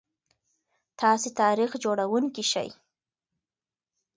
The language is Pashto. تاسي تاریخ جوړونکي شئ.